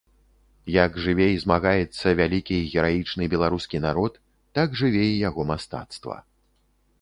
Як жыве і змагаецца вялікі і гераічны беларускі народ, так жыве і яго мастацтва.